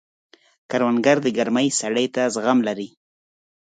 کروندګر د ګرمۍ سړې ته زغم لري